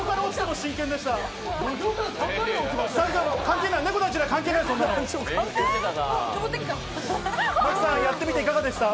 真木さん、やってみていかがでしたか？